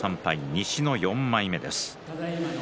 西の４枚目です。